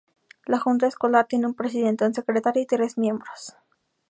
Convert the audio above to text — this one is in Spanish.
La junta escolar tiene un presidente, un secretario, y tres miembros.